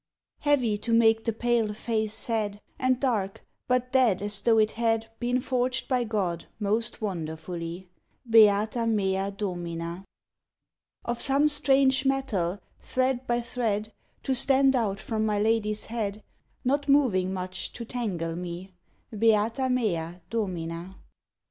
_ Heavy to make the pale face sad, And dark, but dead as though it had Been forged by God most wonderfully Beata mea Domina! Of some strange metal, thread by thread, To stand out from my lady's head, Not moving much to tangle me. _Beata mea Domina!